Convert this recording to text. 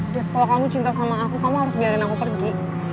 dead kalau kamu cinta sama aku kamu harus biarin aku pergi